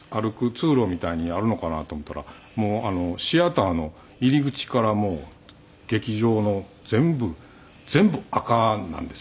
通路みたいにあるのかなと思ったらもうシアターの入り口から劇場の全部全部赤なんですよね。